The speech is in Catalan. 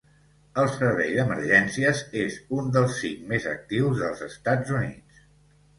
El servei d'emergències és un dels cinc més actius dels Estats Units.